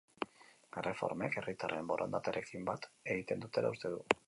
Erreformek, herritarren borondatearekin bat egiten dutela uste du.